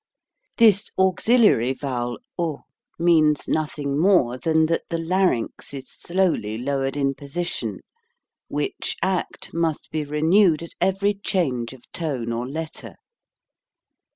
This auxiliary vowel oo means nothing more than that the larynx is slowly lowered in position, which act must be renewed at every change of tone or letter.